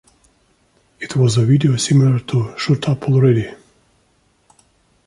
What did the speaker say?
It was a video similar to "Shut Up Already".